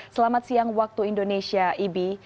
selamat siang waktu indonesia ibi